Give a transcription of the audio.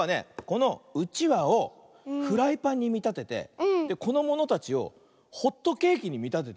このうちわをフライパンにみたててこのものたちをホットケーキにみたててね